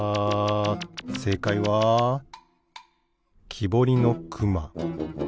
せいかいはきぼりのくま。